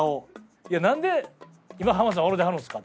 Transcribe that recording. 「いや何で今浜田さん笑てはるんですか？」